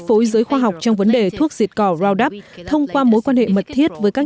phối giới khoa học trong vấn đề thuốc diệt cỏ raudap thông qua mối quan hệ mật thiết với các